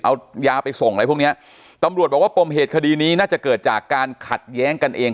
เอายาไปส่งอะไรพวกเนี้ยตำรวจบอกว่าปมเหตุคดีนี้น่าจะเกิดจากการขัดแย้งกันเอง